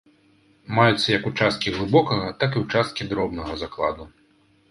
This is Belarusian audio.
Маюцца як ўчасткі глыбокага, так і ўчасткі дробнага закладу.